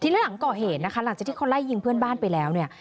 แล้วก็หลายยิงเพื่อนบ้านไปแล้วเนี่ย